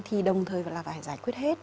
thì đồng thời phải giải quyết hết